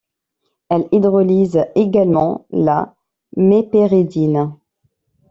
Elle hydrolyse également la mépéridine.